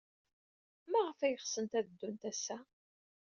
Maɣef ay ɣsent ad ddunt ass-a?